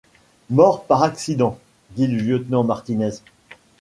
Mort par accident ! dit le lieutenant Martinez.